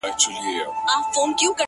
څوک به نو څه رنګه اقبا وویني!!